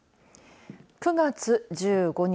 ９月１５日